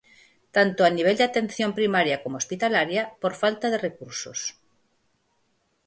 Tanto a nivel de atención primaria como hospitalaria, por falta de recursos.